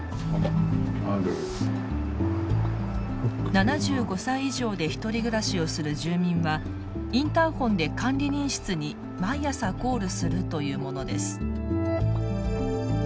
７５歳以上でひとり暮らしをする住民はインターフォンで管理人室に毎朝コールするというものです。